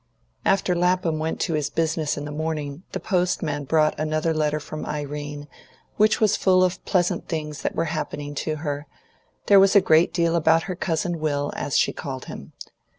After Lapham went to his business in the morning the postman brought another letter from Irene, which was full of pleasant things that were happening to her; there was a great deal about her cousin Will, as she called him.